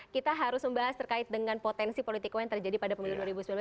kita harus membahas terkait dengan potensi politik uang yang terjadi pada pemilu dua ribu sembilan belas